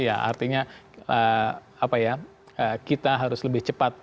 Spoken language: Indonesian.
iya sembilan ratus artinya kita harus lebih cepat